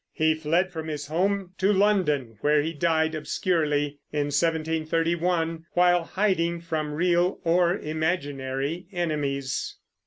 He fled from his home to London, where he died obscurely, in 1731, while hiding from real or imaginary enemies.